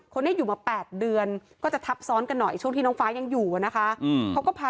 คนนี้อยู่มา๘เดือนก็จะทับซ้อนกันหน่อยช่วงที่น้องฟ้ายังอยู่นะคะ